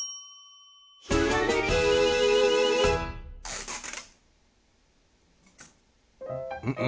「ひらめき」ん？